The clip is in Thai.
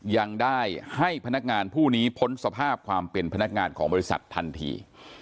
ยังได้ให้พนักงานผู้นี้พ้นสภาพความเป็นพนักงานของบริษัททันที